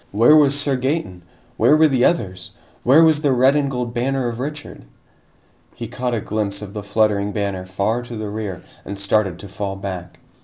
Where was Sir Gaeton? Where were the others? Where was the red and gold banner of Richard? He caught a glimpse of the fluttering banner far to the rear and started to fall back.